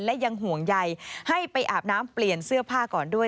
และยังห่วงใยให้ไปอาบน้ำเปลี่ยนเสื้อผ้าก่อนด้วย